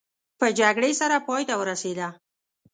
په جګړې سره پای ته ورسېده.